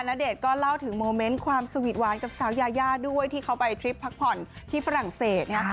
ณเดชน์ก็เล่าถึงโมเมนต์ความสวีทหวานกับสาวยายาด้วยที่เขาไปทริปพักผ่อนที่ฝรั่งเศส